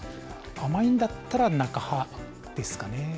甘いんだったら、中派ですかね。